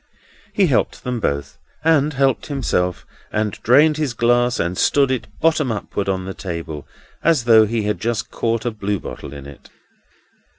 He helped them both, and helped himself, and drained his glass, and stood it bottom upward on the table, as though he had just caught a bluebottle in it.